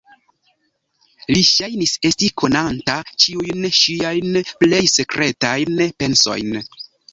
Li ŝajnis esti konanta ĉiujn ŝiajn plej sekretajn pensojn.